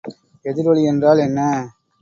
எதிரொலி என்றால் என்ன?